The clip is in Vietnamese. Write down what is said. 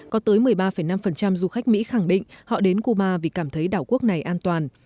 có tới một mươi ba năm du khách mỹ khẳng định họ đến cuba vì cảm thấy đảo quốc này an toàn